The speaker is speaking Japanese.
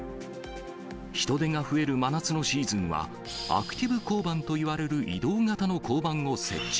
人出が増える真夏のシーズンは、アクティブ交番といわれる移動型の交番を設置。